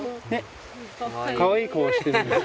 かわいい顔してるでしょ。